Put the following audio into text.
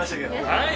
はい。